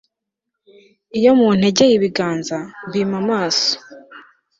iyo muntegeye ibiganza, mbima amaso